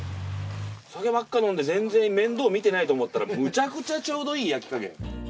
酒ばっかり飲んで全然面倒見てないと思ったらムチャクチャちょうどいい焼き加減。